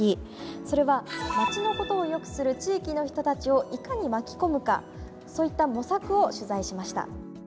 それはまちのことをよく知る地域の人たちをいかに巻き込むかそういった模索を取材しました。